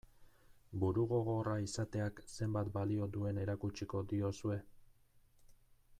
Burugogorra izateak zenbat balio duen erakutsiko diozue?